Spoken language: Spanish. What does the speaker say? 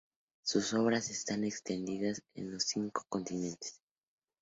Sus obras están extendidas en los cinco continentes.